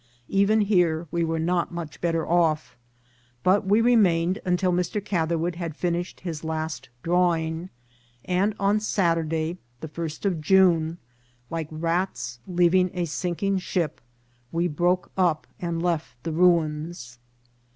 Even here we were not much better off; but we remained until Mr. Gather wood had finished his last, drawing ; and on Saturday, the first of June, like rats leaving a sinking ship, we broke up and left the ruins.